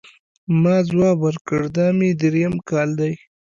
ما ځواب ورکړ، دا مې درېیم کال دی.